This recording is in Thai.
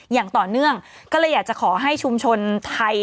อย่างต่อเนื่องก็เลยอยากจะขอให้ชุมชนไทย